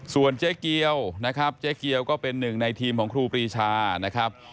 ส่วนเจ๊เกียวนะครับเจ๊เกียวก็เป็นหนึ่งในทีมของครูปรีชานะครับ